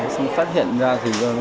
xong phát hiện ra thành ra viêm lợi